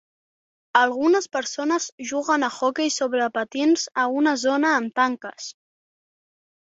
Algunes persones juguen a hoquei sobre patins a una zona amb tanques